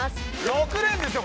６年ですよ！